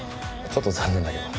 ちょっと残念だけど。